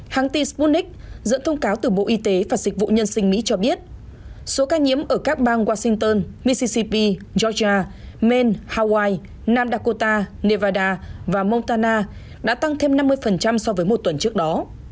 hãng tin sputnik dẫn thông cáo từ bộ y tế và dịch vụ nhân sinh mỹ cho biết số ca nhiễm ở các bang washington micp georgia man hawaii nam dakota nevada và montana đã tăng thêm năm mươi so với một tuần trước đó